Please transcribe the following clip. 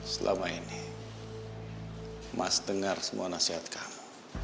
selama ini mas dengar semua nasihat kamu